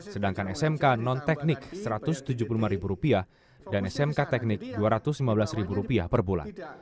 sedangkan smk non teknik rp satu ratus tujuh puluh lima dan smk teknik rp dua ratus lima belas per bulan